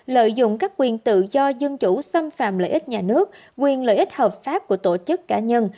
lợi dụng các quyền tự do dân chủ xâm phạm lợi ích nhà nước quyền lợi ích hợp pháp của tổ chức cá nhân